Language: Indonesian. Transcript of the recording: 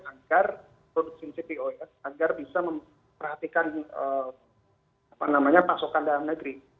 agar produsen cpo ya agar bisa memperhatikan apa namanya pasokan dalam negeri